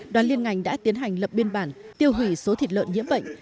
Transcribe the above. đoàn liên ngành đã tiến hành lập biên bản tiêu hủy số thịt lợn nhiễm bệnh